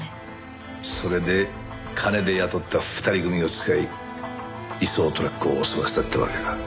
それで金で雇った２人組を使い移送トラックを襲わせたってわけか。